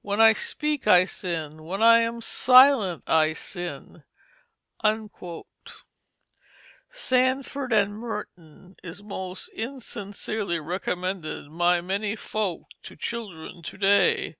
When I speak, I sin; when I am silent, I sin." Sandford and Merton is most insincerely recommended by many folk to children to day.